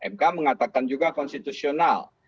mk mengatakan juga konstitusional